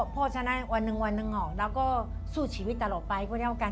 พ่อชนะวันหนึ่งเราก็สู้ชีวิตตลอดไปก็แล้วกัน